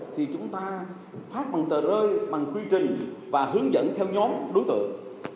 thì chúng ta phát bằng tờ rơi bằng quy trình và hướng dẫn theo nhóm đối tượng